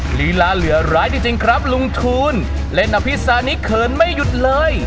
ลีลาเหลือร้ายจริงครับลุงทูลเล่นอภิษานี้เขินไม่หยุดเลย